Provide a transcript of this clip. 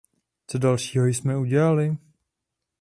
Co dalšího jme udělali?